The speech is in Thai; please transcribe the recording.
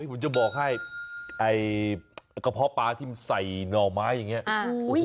ผมจะบอกให้ไอ้กระเพาะปลาที่มันใส่หน่อไม้อย่างนี้